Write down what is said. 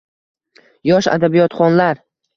Yosh adabiyotxonlar